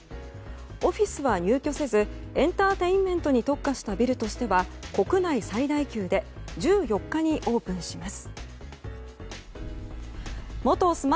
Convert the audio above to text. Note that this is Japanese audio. オフィスは入居せずエンターテインメントに特化したビルとしては国内最大級で１４日にオープンします。